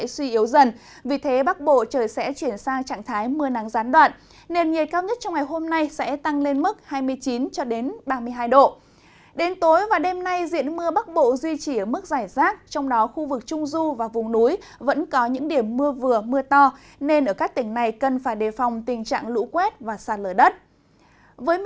xin chào và hẹn gặp lại trong các bản tin tiếp theo